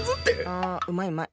あうまいうまい。